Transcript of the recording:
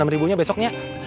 enam ribunya besoknya